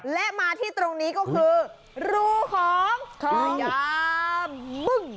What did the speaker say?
และมาที่ตรงนี้ก็คือรูของยามบึ้ง